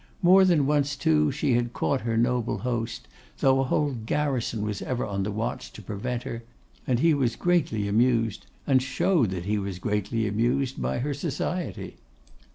More than once, too, she had caught her noble host, though a whole garrison was ever on the watch to prevent her, and he was greatly amused, and showed that he was greatly amused by her society.